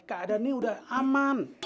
keadaan ini udah aman